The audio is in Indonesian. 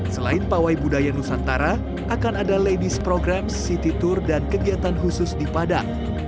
selain pawai budaya nusantara akan ada ladies program city tour dan kegiatan khusus di padang